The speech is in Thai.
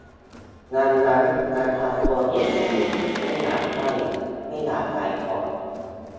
ดังนั้น อาการกลัวคนจีน ไม่อยากใกล้ ไม่อยากขายของ